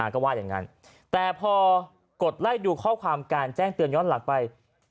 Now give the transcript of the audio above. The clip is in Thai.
ก็ว่าอย่างนั้นแต่พอกดไล่ดูข้อความการแจ้งเตือนย้อนหลังไป